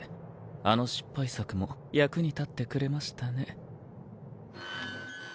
あの失敗作も役に立ってくれましたね。